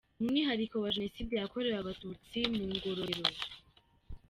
Umwihariko wa Jenoside yakorewe Abatutsi muri Ngororero.